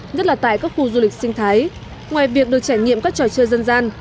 nhất là tại các khu du lịch sinh thái ngoài việc được trải nghiệm các trò chơi dân gian